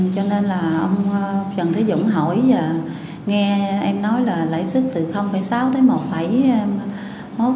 cho nên là ông trần thúy dũng hỏi và nghe em nói là lãi suất từ sáu tới một bảy mốt